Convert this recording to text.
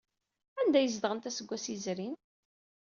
Anda ay zedɣent aseggas yezrin?